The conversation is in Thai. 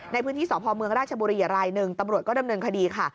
ในพื้นที่สพเมืองราชบุรีราย๑ตำรวจก็เริ่มเริ่มคดีค่ะ